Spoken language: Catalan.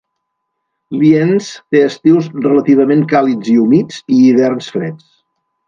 Lienz té estius relativament càlids i humits i hiverns freds.